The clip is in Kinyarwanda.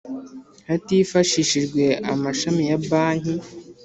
Hatifashishijwe amashami ya banki